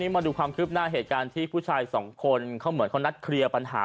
มาดูความคืบหน้าเหตุการณ์ที่ผู้ชายสองคนเขาเหมือนเขานัดเคลียร์ปัญหา